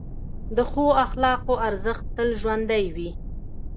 د ښو اخلاقو ارزښت تل ژوندی وي.